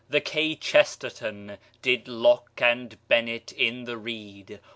The kchesterton Did locke and bennett in the reed.